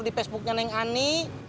di facebooknya neng ani